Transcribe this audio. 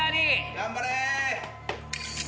頑張れ！